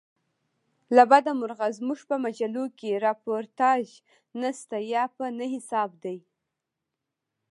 له بده مرغه زموږ په مجلوکښي راپورتاژ نسته یا په نه حساب دئ.